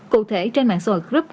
cụ thể trên mạng xã hội group